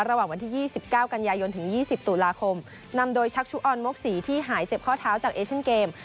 ระหว่างวันที่๒๙กันยายนถึง๒๐ตุลาคมนำโดยชักชุออนมกศรีที่หายเจ็บข้อเท้าจากเอเชียนเกม